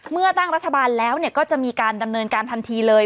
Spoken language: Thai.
เมื่อตั้งรัฐบาลแล้วก็จะมีการดำเนินการทันทีเลย